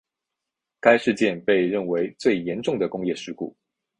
该事件被认为最严重的工业事故。